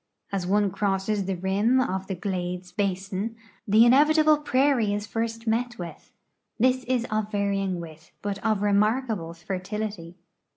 As one cro.sses the rim of the glades basin, the in evitable prairie is first met with. This is of varying width, but of remarkable fertility.